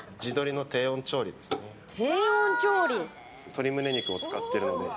鶏胸肉を使っているので。